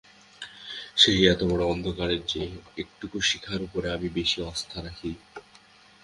সেই এতবড়ো অন্ধকারের চেয়ে এতটুকু শিখার উপরে আমি বেশি আস্থা রাখি।